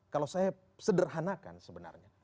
kalau saya sederhanakan sebenarnya